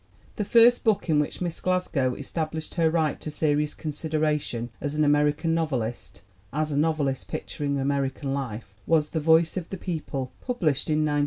The first book in which Miss Glasgow established her right to serious consideration as an American nov elist as a novelist picturing American life was The Voice of the People, published in 1900.